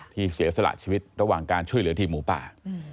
เสียสละชีวิตระหว่างการช่วยเหลือทีมหมูป่า